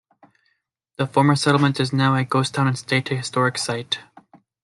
The former settlement is now a ghost town and state historic site.